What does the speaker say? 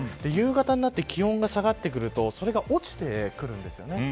夕方になって気温が下がってくるとそれが落ちてくるんです。